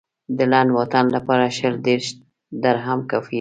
د لنډ واټن لپاره شل دېرش درهم کافي و.